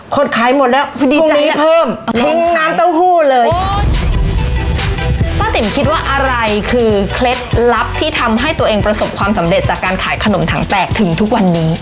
คนขายหมดแล้วพอดีมีเพิ่มทิ้งน้ำเต้าหู้เลยป้าติ๋มคิดว่าอะไรคือเคล็ดลับที่ทำให้ตัวเองประสบความสำเร็จจากการขายขนมถังแตกถึงทุกวันนี้